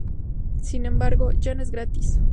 Sin embargo, ya no es gratis.